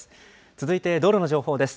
続いて道路の情報です。